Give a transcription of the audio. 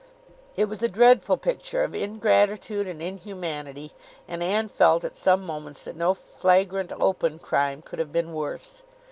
It was a dreadful picture of ingratitude and inhumanity; and Anne felt, at some moments, that no flagrant open crime could have been worse.